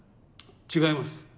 違います。